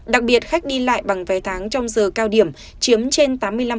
đặc biệt khách đi lại bằng vé tháng trong giờ cao điểm chiếm trên tám mươi năm